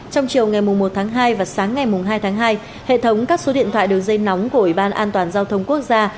trong chiều ngày một tháng hai và sáng ngày hai tháng hai hệ thống các số điện thoại đường dây nóng của ủy ban an toàn giao thông quốc gia